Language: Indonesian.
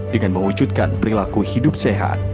dengan mewujudkan perilaku hidup sehat